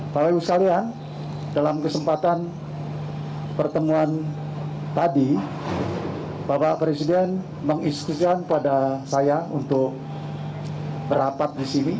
bapak ibu sekalian dalam kesempatan pertemuan tadi bapak presiden mengistitusikan pada saya untuk berapat di sini